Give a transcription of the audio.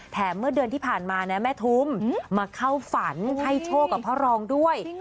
เมื่อเดือนที่ผ่านมานะแม่ทุมมาเข้าฝันให้โชคกับพ่อรองด้วย